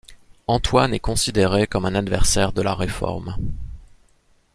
Antoine est considéré comme un adversaire de la Réforme.